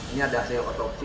ini ada hasil otopsi